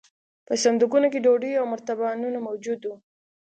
په صندوقونو کې ډوډۍ او مرتبانونه موجود وو